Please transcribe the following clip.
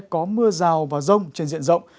có mưa rào và rông trên diện rộng